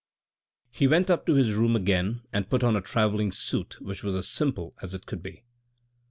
He went up to his room again and put on a travelling suit which was as simple as it could be.